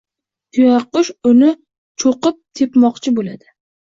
Tuyaqush uni cho‘qib tepmoqchi bo‘ladi.